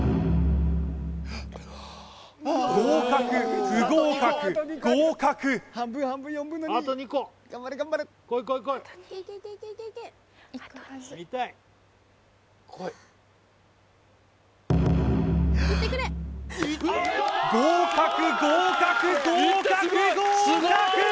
合格不合格合格合格合格合格合格！